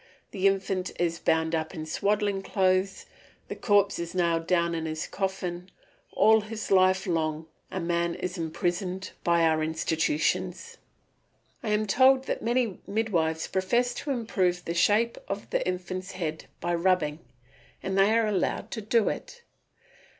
The infant is bound up in swaddling clothes, the corpse is nailed down in his coffin. All his life long man is imprisoned by our institutions. I am told that many midwives profess to improve the shape of the infant's head by rubbing, and they are allowed to do it.